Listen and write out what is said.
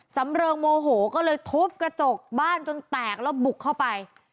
เริงโมโหก็เลยทุบกระจกบ้านจนแตกแล้วบุกเข้าไป